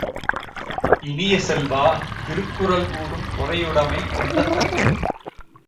இனிய செல்வ, திருக்குறள் கூறும் பொறையுடைமை எண்ணத்தக்கது.